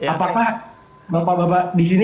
apakah bapak bapak disini